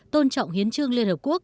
tôn trọng hiến trương liên hợp quốc